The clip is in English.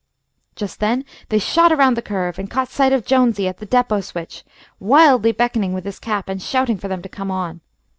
Just then they shot around the curve and caught sight of Jonesy at the depot switch, wildly beckoning with his cap and shouting for them to come on.